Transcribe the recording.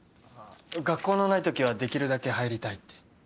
学校のないときはできるだけ入りたいって。